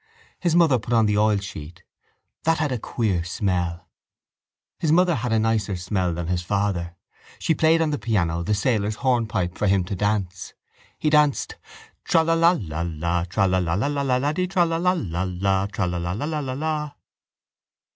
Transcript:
His mother put on the oilsheet. That had the queer smell. His mother had a nicer smell than his father. She played on the piano the sailor's hornpipe for him to dance. He danced: Tralala lala, Tralala tralaladdy, Tralala lala, Tralala lala.